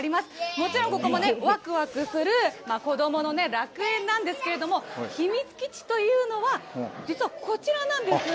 もちろん、ここもね、わくわくする、子どもの楽園なんですけれども、秘密基地というのは、実はこちらなんです。